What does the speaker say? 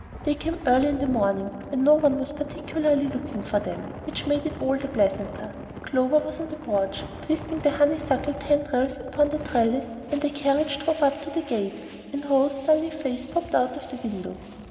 They came early in the morning, when no one was particularly looking for them, which made it all the pleasanter. Clover was on the porch twisting the honeysuckle tendrils upon the trellis when the carriage drove up to the gate, and Rose's sunny face popped out of the window.